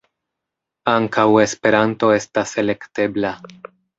Ankaŭ Esperanto estas elektebla.